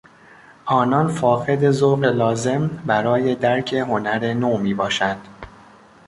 آنان فاقد ذوق لازم برای درک هنر نو میباشند.